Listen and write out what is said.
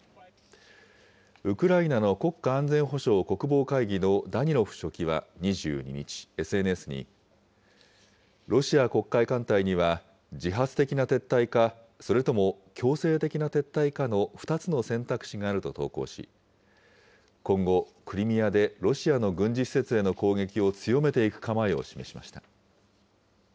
ウクライナの国家安全保障・国防会議のダニロフ書記は２２日、ＳＮＳに、ロシア黒海艦隊には、自発的な撤退か、それとも強制的な撤退かの２つの選択肢があると投稿し、今後、クリミアでロシアの軍事施設への攻撃を強めていく構えを示しました。